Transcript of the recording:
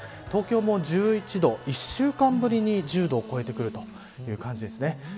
東京も１１度、１週間ぶりに１０度を超えてくる感じです。